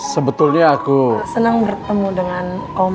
sebetulnya aku senang bertemu dengan om temen deketnya mama